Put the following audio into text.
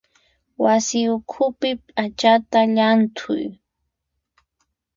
Wasi ukhupi p'achata llanthuy.